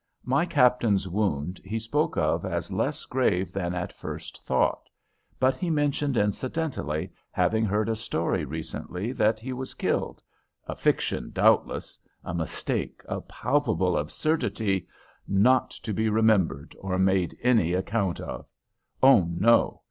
My Captain's wound he spoke of as less grave than at first thought; but he mentioned incidentally having heard a story recently that he was killed, a fiction, doubtless, a mistake, a palpable absurdity, not to be remembered or made any account of. Oh no!